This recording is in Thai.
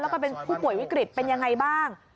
แล้วก็เป็นผู้ป่วยวิกฤตเป็นยังไงบ้าง